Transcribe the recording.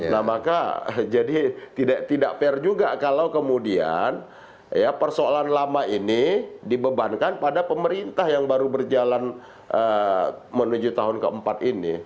nah maka jadi tidak fair juga kalau kemudian persoalan lama ini dibebankan pada pemerintah yang baru berjalan menuju tahun keempat ini